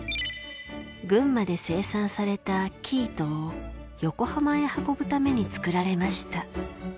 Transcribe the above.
群馬で生産された生糸を横浜へ運ぶために作られました。